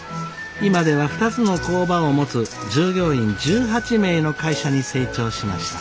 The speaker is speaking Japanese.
今では２つの工場を持つ従業員１８名の会社に成長しました。